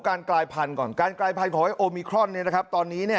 การกลายพันธุ์ของโอมิครอนตอนนี้